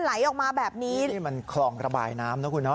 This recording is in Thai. ไหลออกมาแบบนี้นี่มันคลองระบายน้ำนะคุณเฮ